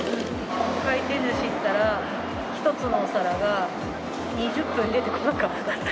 回転ずし行ったら、１つのお皿が２０分出てこなかった。